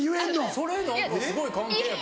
それすごい関係やけどね。